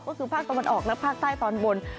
ก็คือภาคตะวันออกและภาคใต้ตอนบน